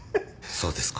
そうですか。